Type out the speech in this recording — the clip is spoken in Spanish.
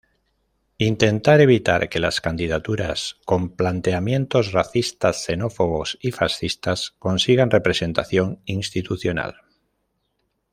Intentar evitar que las candidaturas con planteamientos racistas, xenófobos y fascistas consigan representación institucional.